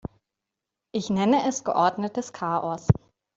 Ich nenne es geordnetes Chaos.